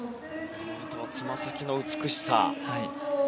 あとはつま先の美しさ。